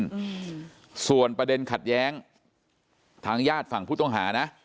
อืมส่วนประเด็นขัดแย้งทางญาติฝั่งผู้ต้องหานะ